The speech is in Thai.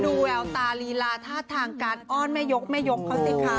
แววตาลีลาท่าทางการอ้อนแม่ยกแม่ยกเขาสิคะ